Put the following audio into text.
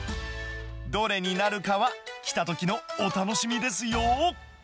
どれになるかは来たときのお楽しみですよ。